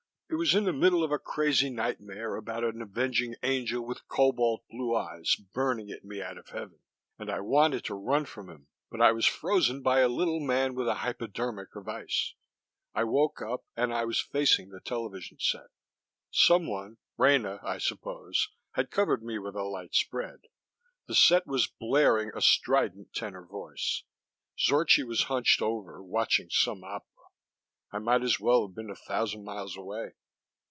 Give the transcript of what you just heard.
It was in the middle of a crazy nightmare about an avenging angel with cobalt blue eyes burning at me out of heaven; and I wanted to run from him, but I was frozen by a little man with a hypodermic of ice. I woke up, and I was facing the television set. Someone Rena, I suppose had covered me with a light spread. The set was blaring a strident tenor voice. Zorchi was hunched over, watching some opera; I might as well have been a thousand miles away.